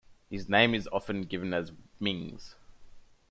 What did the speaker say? His name is often given as "Mings".